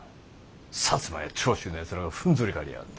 薩摩や長州のやつらがふんぞり返りやがって。